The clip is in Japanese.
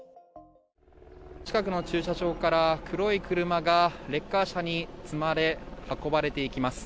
近くの駐車場から黒い車がレッカー車に積まれ運ばれていきます。